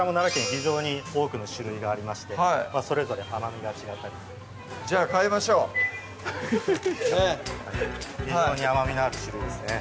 非常に多くの種類がありましてそれぞれ甘みが違ったりじゃあ買いましょうねっ非常に甘みのある種類ですね